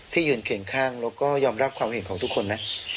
ยืนเคียงข้างแล้วก็ยอมรับความเห็นของทุกคนนะ